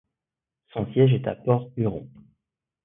Son siège est à Port Huron.